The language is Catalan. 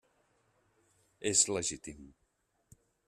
És legítim.